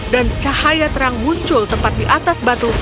dan cahaya terang muncul tempat di atas batu